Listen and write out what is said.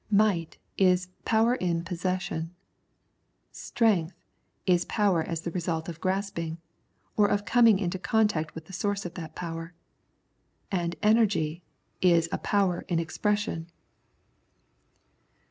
" Might " is power in possession ;" strength " is power as the result of grasping, or of coming into contact with the source of that power ; and " energy " is a power in expression.